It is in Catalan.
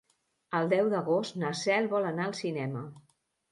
El deu d'agost na Cel vol anar al cinema.